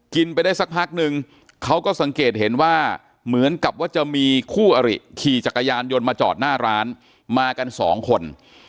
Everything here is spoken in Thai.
ไปได้สักพักนึงเขาก็สังเกตเห็นว่าเหมือนกับว่าจะมีคู่อริขี่จักรยานยนต์มาจอดหน้าร้านมากันสองคน